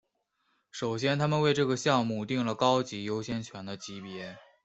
首先他们为这个项目订了高级优先权的级别。